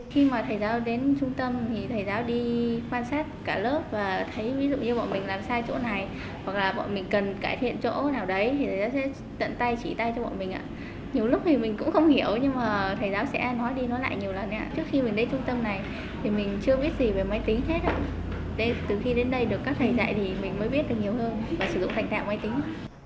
từ khi đến đây được các thầy dạy thì mình mới biết được nhiều hơn và sử dụng thành tạo máy tính